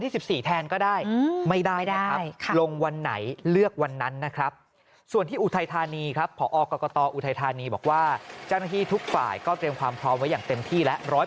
เจ้าหน้าที่ทุกฝ่ายก็เตรียมความพร้อมไว้อย่างเต็มที่และ